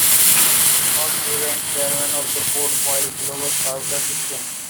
Golan remained Chairman of the Board, while Globus served as President.